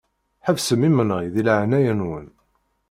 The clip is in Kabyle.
Ḥebsem imenɣi di leɛnaya-nwen.